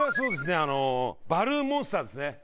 あのバルーンモンスターですね。